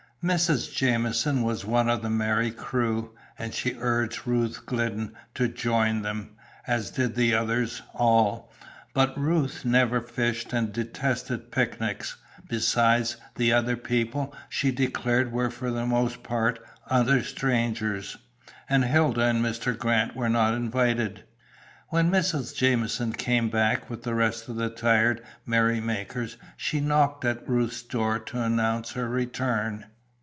Mrs. Jamieson was one of the merry crew, and she urged Ruth Glidden to join them, as did the others, all; but Ruth "never fished and detested picnics;" besides, the other people, she declared, were for the most part utter strangers, and Hilda and "Mr. Grant" were not invited. When Mrs. Jamieson came back with the rest of the tired merry makers she knocked at Ruth's door to announce her return.